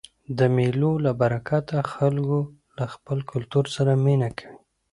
د مېلو له برکته خلک له خپل کلتور سره مینه کوي.